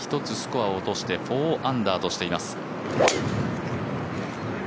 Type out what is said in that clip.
１つスコアを落として４アンダーとしています。